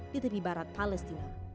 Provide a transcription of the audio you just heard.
di tepi barat palestina